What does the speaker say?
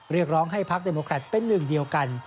เรียกร้องให้พักเดโมแครตเป็นหนึ่งเดียวกัน